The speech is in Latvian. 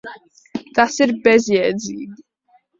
Tas ir bezjēdzīgi.